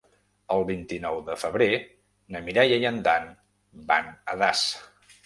El vint-i-nou de febrer na Mireia i en Dan van a Das.